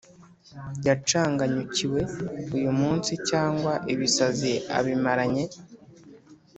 yacanganyukiwe uyu munsi cyangwa ibisazi abimaranye